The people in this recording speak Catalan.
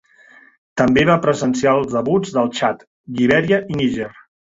També va presenciar els debuts del Txad, Libèria i Níger.